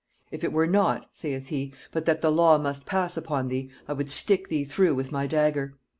... If it were not (saith he) but that the law must pass upon thee, I would stick thee through with my dagger.'